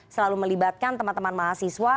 selalu melibatkan teman teman mahasiswa